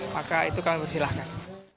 maka itu kami persilahkan